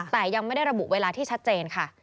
แต่ยังไม่ได้ระบุเวลาที่ชัดเจนค่ะ